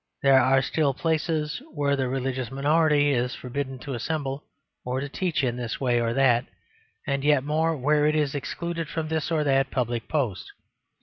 There are still places where the religious minority is forbidden to assemble or to teach in this way or that; and yet more where it is excluded from this or that public post.